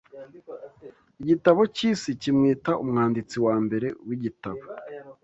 Igitabo cy'isi kimwita Umwanditsi wa mbere w'igitabo